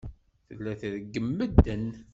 Tella treggem medden.